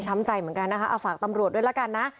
ใจเหมือนกันนะคะเอาฝากตำรวจด้วยละกันนะ